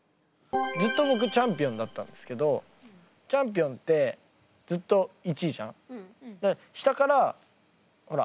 ずっとぼくチャンピオンだったんですけどチャンピオンってずっと１位じゃん。